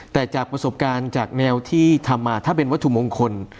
แต่จากประสบการณ์จากแนวที่ทำมาถ้าเป็นวัตถุมงคล